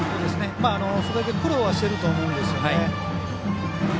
それだけ苦労はしていると思いますね。